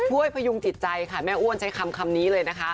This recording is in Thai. พยุงจิตใจค่ะแม่อ้วนใช้คำนี้เลยนะคะ